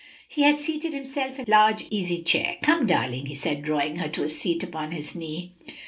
He had seated himself in a large easy chair. "Come, darling," he said, drawing her to a seat upon his knee.